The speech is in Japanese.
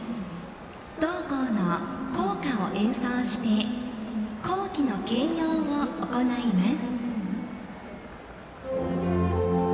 同校の校歌を演奏して校旗の掲揚を行います。